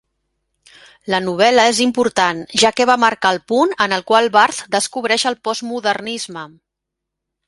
La novel·la és important, ja que va marcar el punt en el qual Barth descobreix el postmodernisme.